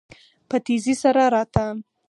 په تيزی سره راته.